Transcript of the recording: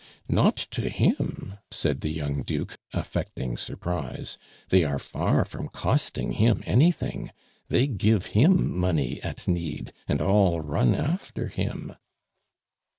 "Not to him!" said the young Duke, affecting surprise. "They are far from costing him anything; they give him money at need, and all run after him."